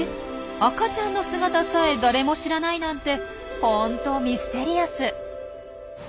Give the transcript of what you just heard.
赤ちゃんの姿さえ誰も知らないなんて本当ミステリアス！